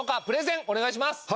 プレゼンお願いします。